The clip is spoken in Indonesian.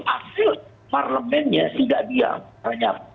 asal parlemennya tidak diam